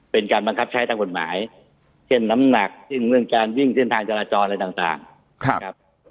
เป็นการบังคับใช้ทางกฎหมายเช่นน้ำหนักซึ่งเรื่องการวิ่งเส้นทางจราจรอะไรต่างครับ